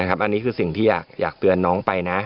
อันนี้คือสิ่งที่อยากเตือนน้องไปนะ